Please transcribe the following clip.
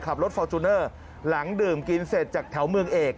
ฟอร์จูเนอร์หลังดื่มกินเสร็จจากแถวเมืองเอก